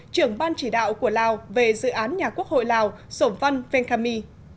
trưởng ban chỉ đạo của lào về dự án nhà quốc hội lào sổm văn venkhammi